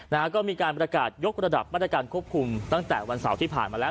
นะฮะก็มีการประกาศยกระดับมาตรการควบคุมตั้งแต่วันเสาร์ที่ผ่านมาแล้ว